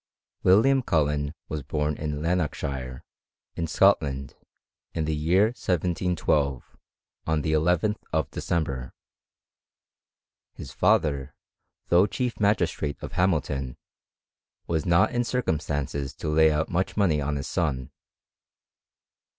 William Cullen was bom in Lanarkshire, in Scot land, in the year 1712, on the 11th of December. His father, though chief magistrate of Hamilton, was not in circumstances to lay out much money on his son.